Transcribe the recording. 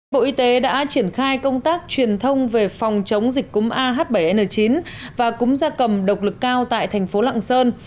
bộ y tế đã triển khai công tác truyền thông về phòng chống dịch cúng ah bảy n chín và cúng gia cầm độc lực cao tại thành phố lạng sơn